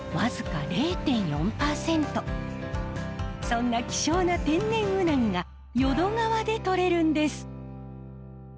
そんな希少な天然ウナギが淀川で取れるんです。